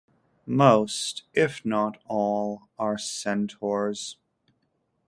Most, if not all, are centaurs.